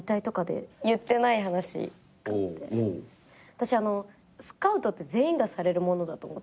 私スカウトって全員がされるものだと思ってて。